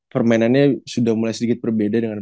permainannya sudah mulai sedikit berbeda dengan